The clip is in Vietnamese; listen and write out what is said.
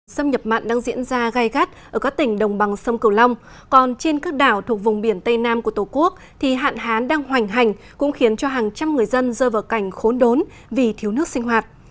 xâm nhập mặn đang diễn ra gai gắt ở các tỉnh đồng bằng sông cửu long còn trên các đảo thuộc vùng biển tây nam của tổ quốc thì hạn hán đang hoành hành cũng khiến cho hàng trăm người dân rơi vào cảnh khốn đốn vì thiếu nước sinh hoạt